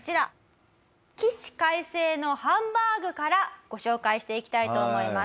起死回生のハンバーグからご紹介していきたいと思います。